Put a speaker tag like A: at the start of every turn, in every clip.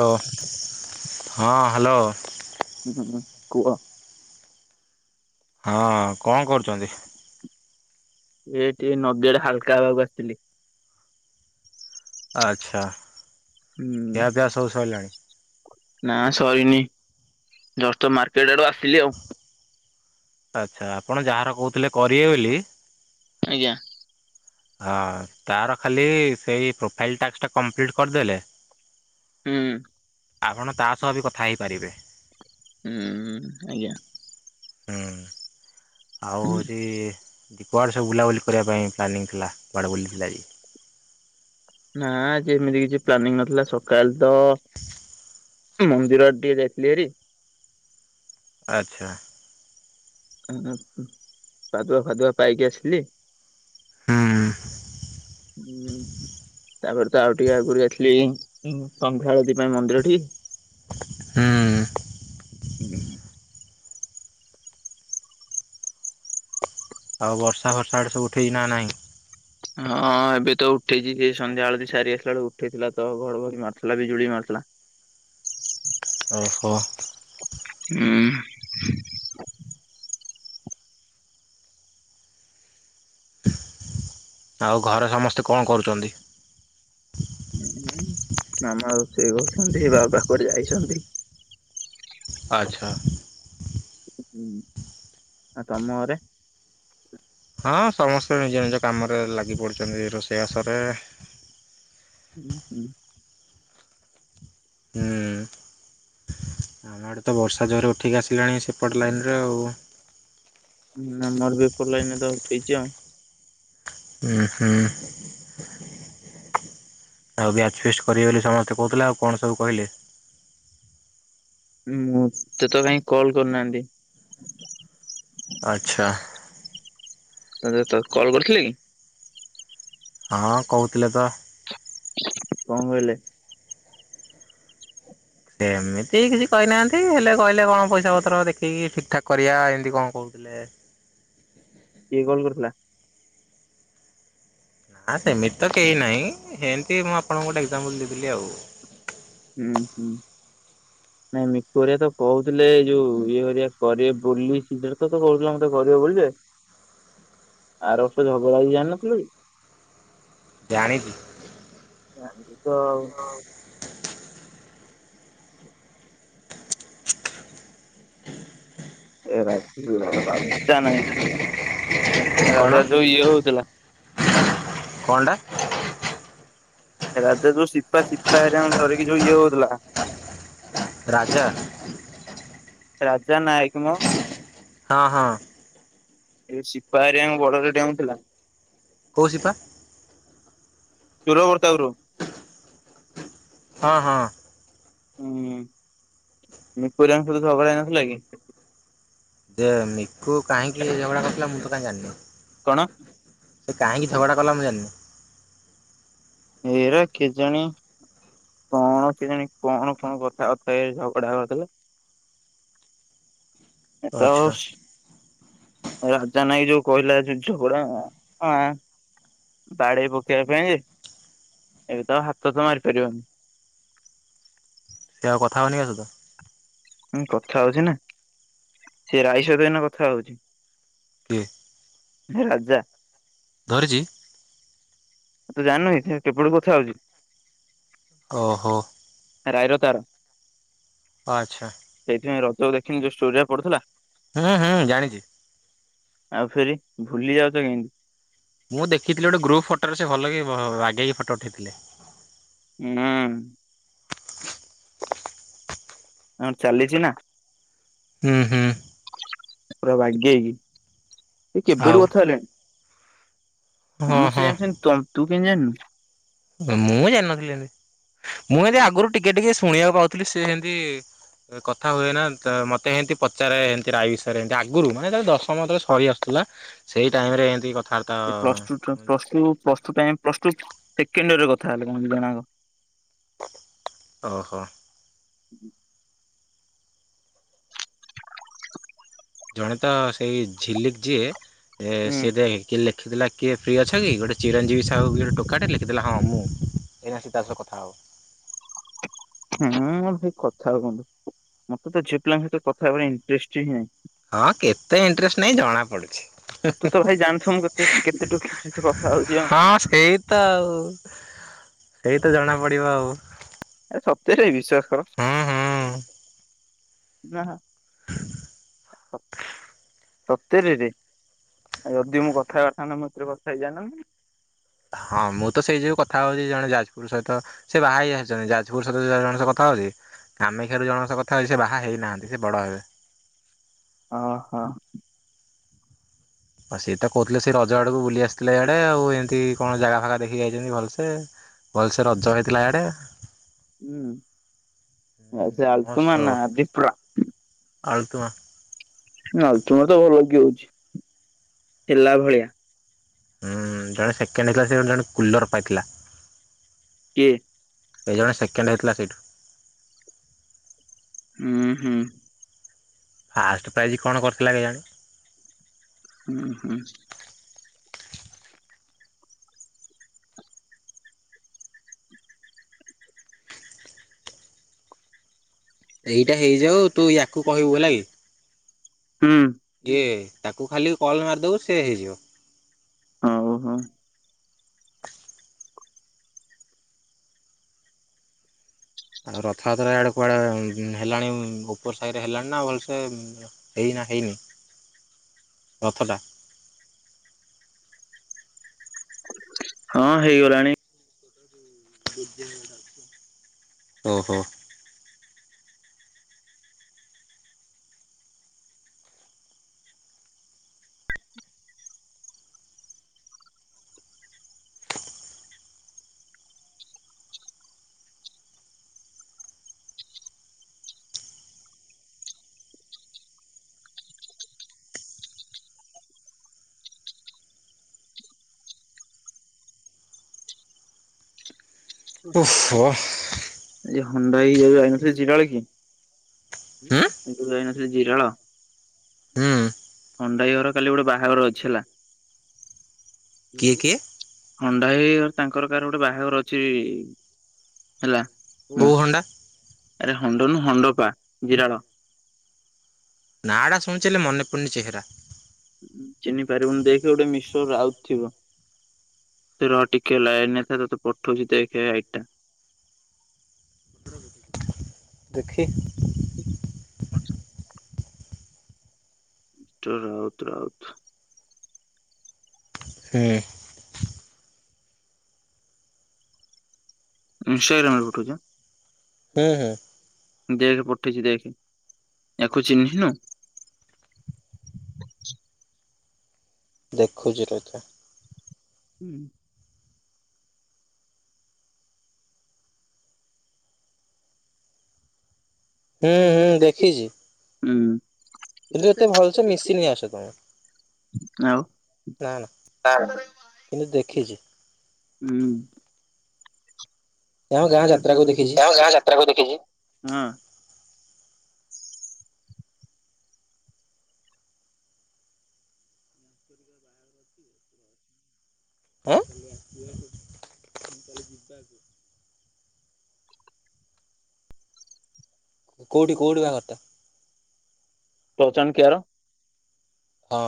A: Hello, ହଁ hello.
B: ହୁଁ, ଉଁ କୁଅ।
A: ହଁ, କଣ କରୁଛନ୍ତି?
B: ଏଇଠି ଏଇ, ନଦୀଆଡେ ହାଲକା ହବାକୁ ଆସିଥିଲି।
A: ଆଚ୍ଛା।
B: ହୁଁ
A: ଖିଆପିଆ ସବୁ ସଇଲାଣି।
B: ନା ସରିନି, ଜଷ୍ଟ ତ ମାର୍କେଟ ଆଡୁ ଆସିଲି ଆଉ।
A: ଆଚ୍ଛା, ଆପଣ ଯାହାର କହୁଥିଲେ କରିବେ ଓଲି
B: ଆଜ୍ଞା।
A: ହଁ, ତାର ଖାଲି ସେଇ ପ୍ରୋଫାଇଲ୍ ଟାକ୍ସଟା କମ୍ପ୍ଲିଟ୍ କରିଦେଲେ
B: ହୁଁ।
A: ଆପଣ, ତା ସହ ବି କଥା ହେଇପାରିବେ।
B: ହୁଁଉଉ ଆଜ୍ଞା।
A: ହୁଁ। ଆଉ
B: ହୁଁ
A: ହଉଛି [unintelligible] ସବୁ ବୁଲାବୁଲି କରିବା ପାଇଁ ପ୍ଲାନିଙ୍ଗ୍। ଥିଲା। କୁଆଡେ ବୁଲିଥିଲେ ଆଜି?
B: ନାଆ ଆଜି ଏମିତି କିଛି ପ୍ଲାନିଙ୍ଗ୍ ନଥିଲା, ସକାଳ ତ ମନ୍ଦିର ଆଡେ ଟିକେ ଯାଇଥିଲି ହେରି।
A: ଆଚ୍ଛା।
B: ହୁଁହୁଁ ହୁଁ ପାଦୁଆଫାଦୁଆ ପାଇକି ଆସିଲି।
A: ହୁଁ
B: ହୁଁଉଉ ତାପରେ ତ ଆଉ ଟିକେ ଆଗରୁ ଯାଇଥିଲି ସନ୍ଧ୍ୟା ଆଳତୀ ପାଇଁ ମନ୍ଦିରଠି।
A: ହୁଁ
B: ହଁ
A: ଆଉ ବର୍ଷାଫର୍ଷା ଆଡ଼େ ସବୁ ଉଠେଇ ନା ନାହିଁ?
B: ହଁଅଅ ଏବେ ତ ଉଠେଇଛି ସେ ସନ୍ଧ୍ୟା ବେଳୁ ସାରି ଆସିଲା ବେଳକୁ ଉଠେଇଥିଲା ତ ଘଡଘଡି ମାରୁଥିଲା ବିଜୁଳି ମାରୁଥିଲା।
A: ଓହୋଃ।
B: ହୁଁ ଉଁ
A: ଆଉ ଘରେ ସମସ୍ତେ କଣ କରୁଛନ୍ତି?
B: ହୁଁ, ମାମା ରୋଷଇ କରୁଛନ୍ତି, ବାବା କୁଆଡେ ଯାଇଛନ୍ତି।
A: ଆଚ୍ଛା।
B: ହୁଁ ଆଉ ତମ ଘରେ?
A: ହଁ ସମସ୍ତେ ନିଜ ନିଜ କାମରେ ଲାଗି ପଡ଼ିଛନ୍ତି ରୋଷେଇବାସରେ।
B: ହୁଁ ହୁଁ।
A: ହୁଁ ଆମ ଆଗରେ ତ ବର୍ଷା ଜୋରେ ଉଠେଇକି ଆସିଲାଣି ସେପଟ ଲାଇନରେ ଆଉ
B: ହୁଁ ଆମର ବି ଏପଟ ଲାଇନ ତ ଉଠେଇଛି ଆଉ।
A: ଉଁ ହୁଁ। ଆଉ ବ୍ୟାଚ୍ ଫିଷ୍ଟ୍ କରିବେ ବୋଲି ସମସ୍ତେ କହୁଥିଲେ ଆଉ କଣ ସବୁ କହିଲେ?
B: ମୋତେ ତ କାଇଁ କଲ କରିନାହାନ୍ତି।
A: ଆଚ୍ଛା।
B: ତତେ ତ କଲ୍ କରିଥିଲେ କି?
A: ହଁଅଅ କହୁଥିଲେ ତ।
B: କଣ କହିଲେ?
A: ସେମିତି କିଛି କହିନାହାନ୍ତି ହେଲେ କହିଲେ କଣ ପଇସାପତ୍ର ଦେଖିକି ଠିକଠାକ୍ କରିବା ଏମତି କଣ କହୁଥିଲେ
B: କିଏ କଲ୍ କରିଥିଲା?
A: ହାଁ ସେମିତି ତ କେହି ନାହିଁ, ହେମିତି ମୁଁ ଆପଣଙ୍କୁ ଗୋଟେ ଏକ୍ଜାମ୍ପଲ୍ ଦେଇଥିଲି ଆଉ।
B: ହୁଁ ହୁଁ, ନାଇଁ ମିକୁ ହରିଆ ତ କହୁଥିଲେ ଏଇ ଯୋଉ ଏ ହେରିକା କରିବେ ବୋଲି [inaudible] କହୁଥିଲା ମତେ କରିବ ବୋଲି ଯେ, ଆରବର୍ଷ ଝଗଡା ହେଇଚି ଜାଣିିନଥିଲୁକି?
A: ଜାଣିିଚି।
B: [inaudible]
A: ହଁ।
B: ଏରା [inaudible] ରାଜା ନାହିଁ,
A: କଣ
B: ରାଜା ଯୋଉ ଇଏ ହଉଥିଲା।
A: କଣଟା?
B: ହେ ସେ ଯୋଉ ସିପା ଶିପା ହରିକାଙ୍କୁ ଧରିକି ଯ ଯଉ ଇଏ ହଉଥିଲା।
A: ରାଜା
B: ରଜା ନାୟକ ମ
A: ହଁ ହଁ।
B: ଏ ସିପା ହେରିକଙ୍କ ବଡରେ ଦେଉଁ ଥିଲା।
A: କଉ ସିପା?
B: ଶୁରପ୍ରତାପପୁରୁ
A: ହଁ ହଁ।
B: ହୁଁ ମ ପୁରଙ୍କୁ ସୁଧା ସବରାଇ ନସଥିଲା କି?
A: ଯେ କୁ କାହିଁକି ଝଗଡ଼ା କରିୁଥିଲା ମୁଁ ତ ରଜାନି
B: କଣ?
A: ସେ କାହିଁକି ଝଗଡା କଲା ମୁଁ ଜାଣିନି
B: ଏଇରା କେଜଣି କଣ କେଜ କଣ କଣ କଥାବାର୍ତ୍ତା ଏଇ ଝଗଡା କରିଥିଲା। ଏ ତ
A: ଆଚ୍ଛା
B: ରାଜା ନାଇଁ ଯୋଉ କହିଲା ଯୁଝପଡା ହଁ ବାଡି ପକେଇବା ପାଇଁ ଯେ ଏବେ ତ ଆଉ ହାତ ତ ମାରିପାରିବନି।
A: ସେ ଆଉ କଥା ହଉନି କି ଆ ସହିତ
B: ହଁ କଥା ହଉଛି ନା ସେ ରାଇଶ ସହିତ ଏଇନା କଥା ହଉଛି।
A: କିଏ?
B: ରାଜା
A: ଧରିଚି
B: ତୁ ଜାଣୁିନୁ କି ସେ କେବେଠୁ କଥା ହଉଛି।
A: ଓହୋ।
B: ରାଇର ତାର
A: ଆଛା।
B: ଯୋଉ ଦେଖିନୁ ଯୋଉ ଷ୍ଟୋରି ଉରା ପଡୁଥିଲା।
A: ହୁଁ ହୁଁ ଜାଣିଛି।
B: ଆଉ ଫେରି ଭୁଲି ଯାଉଛ କେନ୍ତି
A: ମୁଁ ଦେଖିଥିଲି ଗୋଟେ ଗ୍ରୁପ ଫଟୋରେ ସେ ଭଲ କି ରାଗେଇକି ଫଟୋ ଉଠେଇଥିଲେ।
B: ହୁଁ। ହଁ ଚାଲିଛି ନା
A: ହୁଁ ହୁଁ।
B: ପୁରା ବାଗେଇ କି ଏ
A: ଆଉ
B: କେବେଠୁ କଥା ହେଲେଣି।
A: ହଁ
B: ତମ
A: ହଁ
B: ସେମନ୍ତି ତ ତୁ କେନ୍ତି ଜାଣିଲୁ?
A: ମୁଁ ଜାନଥିଲି ଏମତି ମୁଁ ଏମତି ଆଗରୁ ଟିକେ ଟିକେ ଶୁଣିବାକୁ ପାଉଥିଲି ସେ ଏମିତି କଥା ହୁଏ ନା ମତେ ଏମତି ପଚାରେମତି ରାଇ ବିଷୟରେମତି ଆଗରୁ ମାନେ ଦଶମ ଥ ସରି ଆସୁଥିଲା ସେଇ ଟାଇମ ରେ ଏମତି କ
B: ଏଇ ପ୍ଲସ ଟୁ ଟ୍ plus two time plus two ସେକେଣ୍ଡିରରେ କଥା ତାହେଲେ [unintelligible] ଜଣା କ
A: ଓହୋ।
B: ହୁଁ
A: ଜଣେ ତ ସେଇ ଝିଲିକ ଯିଏ ଏ ସିଏ
B: ହୁଁ
A: ଦେଇ [unintelligible] ଖିଥିଲା କିଏ ଫ୍ରି ଅଛ କି ଗୋଟେ ଚିରଞ୍ଜବୀ ସାହୁ କିଏ ଗୋଟେ ଟୋକା ଟେ ଲେଖିଥିଲା ହଁ ମୁଁ ଏଇନା ସୀତା ସହ କଥା ହବ
B: ହୁଁ ସେ କଥା କୁହନ୍ତୁ ମତେ ତ ଝିଅ ପିଲାଙ୍କ ସହିତ କଥା ହେବର୍ ଇଣ୍ଟଟେଷ୍ଟ ହିଁ ନାହିଁ।
A: ହଁ କେତେ ଇଣ୍ଟରେଷ୍ଟ ନହିଁ ଜଣା ପଡୁଛି।
B: ଆଉ ତୁ ତ ଭାଇ ଜାଣିଥୁବୁ ମୁଁ କେତେ କେତେ ଟୋକିଙ୍କ ସହିତ କଥା ହଉଛି ହଁ।
A: ସେଇ ତ ଆଉ ସେଇ ତ ଜଣା ପଡିବ ଆଉ।
B: ସତରେ ବିଶ୍ୱାସ କର
A: ହୁଁ ହୁଁ
B: [inaudible] [inaudible] ସତରୀରେ ଯଦି ମୁଁ କଥା କଥା ନା ମତରେ କଥା ହେଇ ଜାଣନ
A: ହଁ ମୁଁ ତ ସେଇ ଯୋଗୁ କଥା ହଉଛି ଜଣେ ଯାଜପୁର ସ ତ ସେ ବାହା ହୋଇଯାଇଛନ୍ତି ଯା ଯାଜପୁର [unintelligible] ଜଣଙ୍କ ସହ କଥା ହଉଛି କାମାକ୍ଷା ରୁ ଜଣଙ୍କ ସହ କଥା ହଉଛି ସିଏ ବାହା ହେଇନାହାନ୍ତି ସିଏ ବଡ ହେବେ।
B: ଅ ହ।
A: ଆଉ ସିଏ ତ କହୁଥିଲେ ସେ ରଜ ଆଡକୁ ବୁଲି ଆସିଥିଲେ ଇଆଡେ ଆଉ ଏମିତି କଣ ଜାଗା ଫାଗା ଦେଖିକି ଯାଇଛନ୍ତି ଭଲସେ ଭଲସେ ରଜ ହେଇଥିଲା ଇଆଡେ।
B: ହୁଁ ସେ [unintelligible]
A: ଆଉ ତୁମ
B: ଆଉ ତୁମେ ତ ଭଲ କି ହେଲା ଭଳିଆ।
A: ହୁଁ ଜଣେ ସେକେଣ୍ଡ ହେଇଥିଲା ସେ ଗୋଟେ ଜଣେ କୁଲର ପାଇଥିଲା।
B: କିଏ?
A: ଏ ଜଣେ ସେକେଣ୍ଡ ହେଇଥିଲା ସେଇଠୁ।
B: ହୁଁ ହୁଁ।
A: ଫାଷ୍ଟ ପ୍ରାଇଜ କଣ କରିଥିଲା କେଜାଣି?
B: ହୁଁ ହୁଁ।
A: ଏଇଟା ହେଇଯାଉ ତୁ ୟାକୁ କହିବୁ ହେଲା କି। ଇଏ ତାକୁ ଖାଲି କଲ୍ ମାରିଦବୁ ସେ ହେଇଯିବ।
B: ହଉ ହଉ।
A: ଆଡେ ରଥଯାତ୍ରା ଆଡେ କୁଆଡେ ହେଲାଣି ଉପ [unintelligible] ରେ ହେଲାଣି ନା ଭଲସେ ହେଇନା ହେଇନି ରଥ ଟା।
B: ହଁ ହେଇଗଲାଣି।
A: ଓହୋ। ଓହୋ
B: ଏ ହଣ୍ଡା ହେଇ ଯୋଉ ଯାଇନଥିଲି ଜିରାଳ କି
A: ହୁଁ
B: ବିଲକୁଲ୍ ଯାଇନ ଜିରାଳ
A: ହୁଁ
B: ହଣ୍ଡାଇ ଘର କାଲି ଗୋଟେ ବାହାଘର ଅଛି ହେଲା।
A: କିଏ କିଏ?
B: ହଣ୍ଡା ହେଇ ତାଙ୍କର କାହାର ଗୋଟେ ବାହାଘର ଅଛି ହେଲା ହଁ
A: କୋଉ ହଣ୍ଡା?
B: ଆରେ ହଣ୍ଡନୁ ହଣ୍ଡ ପା ଜିରାଳ
A: ନାଁ ଟା ଶୁଣିୁଚେ ମନେ ପୁଡ଼ନି ଚେହେରା
B: ଚିହ୍ନି ପାରିବୁନ ଦେଖ ଗୋଟେ ମିଷ୍ଟର ରାଉ ଥିବ ତୁ ରହ ଟିକେ ଲାଇନ୍ ରେ ରହ ତୋତେ ପଠଉଛି ଦେଖ ଆଇଡି ଟା।
A: ଦେଖି?
B: ଟର ରାଉତ ରାଉତ
A: ହଁ।
B: ଇନଷ୍ଟାଗ୍ରାମ୍ ରେ ପଠୋଉଚି ହେଲା।
A: ହୁଁ ହୁଁ।
B: ଦେଖେ ପଠେଇଛି ଦେଖେ ଆକୁ ଚିଂହିନୁ?
A: ଦେଖୁଚି ରହିଥା।
B: ହୁଁ। ହୁଁ ହୁଁ ଦେଖିଚି ହୁଁ।
A: କିନ୍ତୁ ଏତେ ଭଲସେ ମିଶିନି ଆ ସହ ତମେ ନା ନା କିନ୍ତୁ ଦେଖିଛି
B: [unintelligible] ମୁଁ ଗାଁ ଯାତ୍ରା କୁ ଦେଖିଛି ଯଁ ଗାଁ ଯାତ୍ରାକୁ ଦେଖିଛି ହୁଁ।
A: ହଁ। କୋଉଠି କୋଉଠି ବାହାଘରଟା?
B: ପହଚାନ କେ୍ୟାର
A: ହଁ।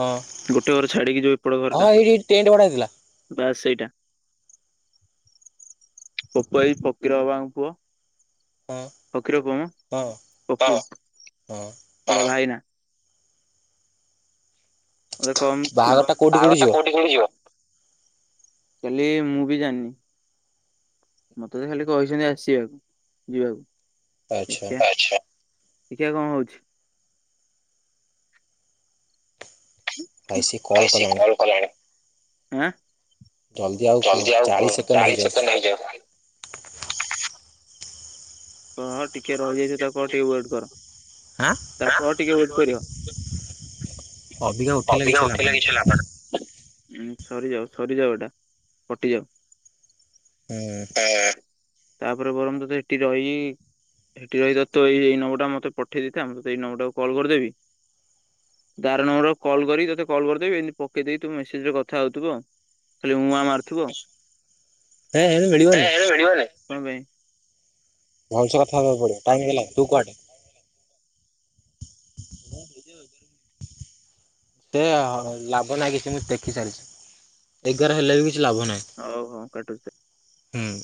A: ହଁ
B: ଗୋଟେ ଘର ଛାଡିକି ଯିବ ଏପଡ ଘର
A: ହଁ
B: ଟା
A: ଏଇଠି ଏଇଠି ଟେଣ୍ଟ ଭଡା ହେଇଥିଲା
B: ବାସ୍ ସେଇଟା। ପପୁ ଭାଇ ଫକୀର ବାବାଙ୍କ ପୁଅ।
A: ହଁ
B: ଫକୀର ପୁଅ ମ
A: ହଁ
B: ପପୁ
A: ହଁ
B: ତା ଭାଇନା। କମ୍
A: ଟା କୋଉଠି
B: ବାହାଘର ଟା
A: ଯିବ
B: କୋଉଠି ନେଇକିଯିବ? କାଲି ମୁଁ ବି ଜାଣିନି ମତେ ତ ଖାଲି କହିଛନ୍ତି ଆସିବାକୁ
A: ଆଚ୍ଛା
B: ଯିବାକୁ ଆ ଆଛା ଦେଖିଆ କଣ ହଉଛି
A: ଭାଇ ସିଏ କଲ୍ କଲାଣି।
B: ହୁଁ।
A: ଜଲ୍ଦି
B: ଜଲଦି ଆଉ କ
A: ଚାଳିଶ ସେକେଣ୍ଡ ହେଇଯାଉ
B: ଚାଳିଶତ ନେଇଇଯାଉ ତାକୁ ଆଉ ଟିକେ ୱେଟ୍ କର
A: [inaudible] ଆଁ
B: ତାକୁ ଆଉ ଟିକେ ୱେଟ୍ କରିବ।
A: ଆବିକା ଉଠେଇଲେ କିଛି ଲାଭ ନାହିଁ।
B: ଉଁ ସରିଯାଉ ସରିଯାଉ ଏଇଟା କଟିଯାଉ।
A: ହୁଁ।
B: ତାପରେ ବରଂ ତ ସେଠି ରହି ସେଠି ରହିଥା ତ ଏଇ ଏଇ ନମ୍ବର ଟା ମତେ ପଠେଇ ଦେଇଥା ମୁଁ ଏଇ ନମ୍ବର ଟାକୁ କଲ୍ କରିଦେବି ଦାର ନମ୍ବର କଲ୍ କରି ତତେ କଲ କରିଦବି ଏମତି ପକେଇଦବି ତୁ ମେସେଜରେ କଥା ହଉଥିବଉ। ଖା ମା ମାରୁଥିବୁ ଆଉ।
A: ହେ ହେନ୍ତି ମିଳିବନି
B: କଣ ପାଇଁ?
A: ଭଲସ କଥା ହବାକୁ ପଡିବ ଟାଇ ତୁ କୁଆେ ସେ ଲାଭ ନାଇଁ କିଛି ମୁ ଦେଖି ସାରିଛି। ଏଗାର ହେଲେ ବି କିଛି ଲାଭ ନାହିଁ
B: ହଉ ହଉ କଟୁ
A: ହୁଁ।